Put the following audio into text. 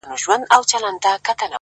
له شاتو نه، دا له شرابو نه شکَري غواړي،